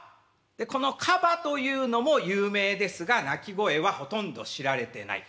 このカバというのも有名ですが鳴き声はほとんど知られてない。